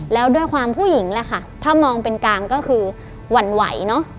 แล้วด้วยความผู้หญิงแหละค่ะถ้ามองเป็นกลางก็คือหวั่นไหวเนอะ